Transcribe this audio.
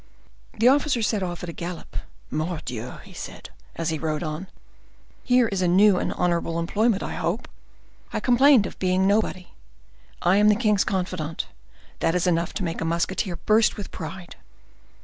The officer set off at a gallop. "Mordioux!" said he, as he rode on, "here is a new and honorable employment, I hope! I complained of being nobody. I am the king's confidant: that is enough to make a musketeer burst with pride."